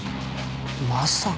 まさか。